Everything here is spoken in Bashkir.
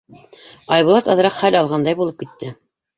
Айбулат аҙыраҡ хәл алғандай булып китте.